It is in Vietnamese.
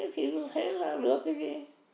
thế là lừa cái gì